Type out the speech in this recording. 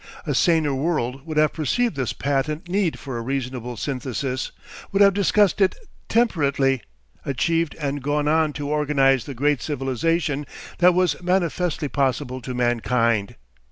A saner world would have perceived this patent need for a reasonable synthesis, would have discussed it temperately, achieved and gone on to organise the great civilisation that was manifestly possible to mankind.